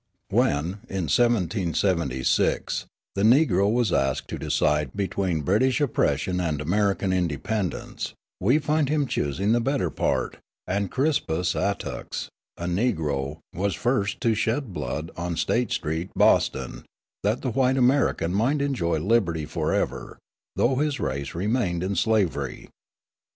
When, in 1776, the Negro was asked to decide between British oppression and American independence, we find him choosing the better part; and Crispus Attucks, a Negro, was the first to shed his blood on State Street, Boston, that the white American might enjoy liberty forever, though his race remained in slavery.